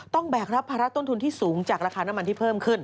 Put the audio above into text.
แบกรับภาระต้นทุนที่สูงจากราคาน้ำมันที่เพิ่มขึ้น